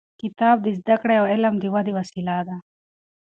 کتاب د زده کړې او علم د ودې وسیله ده.